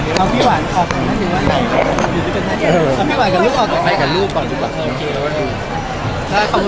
เอาพี่หวานออกก่อนให้ไปดูก่อน